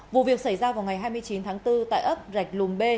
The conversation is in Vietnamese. vụ việc xảy ra vào ngày hai mươi chín tháng bốn tại ấp rạch lùm b